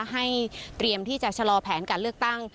เตรียมที่จะชะลอแผนการเลือกตั้ง